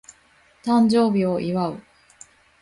誕生日を祝う